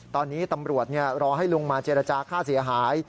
ตอนนี้ตำรวจรอให้ลุงมาเจรจาค่าเสียหาย